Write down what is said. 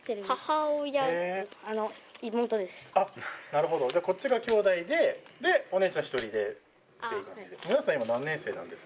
なるほどこっちが兄妹でお姉ちゃん１人でっていう感じで。